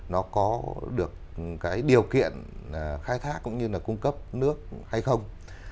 nó có được cái điều kiện khai thác cũng như là cung cấp nước hay không